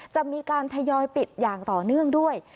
จะมีการทยอยปิดอย่างต่อเนื่องด้วย